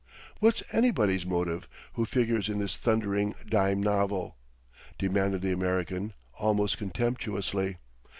"What's anybody's motive, who figures in this thundering dime novel?" demanded the American, almost contemptuously.